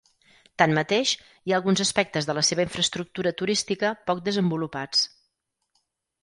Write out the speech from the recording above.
Tanmateix, hi ha alguns aspectes de la seva infraestructura turística poc desenvolupats.